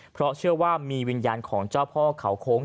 เพราะเชื่อว่ามีวิญญาณของเจ้าพ่อเขาโค้ง